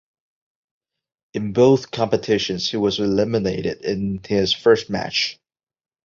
In both competitions he was eliminated in his first match.